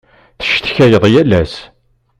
Tecetkayeḍ yal ass.